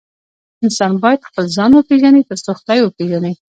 انسان بايد خپل ځان وپيژني تر څو خداي وپيژني